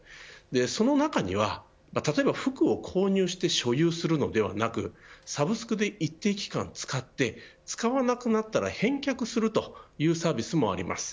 その中には例えば服を購入して所有するのではなくサブスクで一定期間使って使わなくなったら返却するというサービスもあります。